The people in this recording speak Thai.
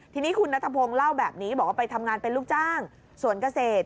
ทีนี้คุณนัทพงศ์เล่าแบบนี้บอกว่าไปทำงานเป็นลูกจ้างสวนเกษตร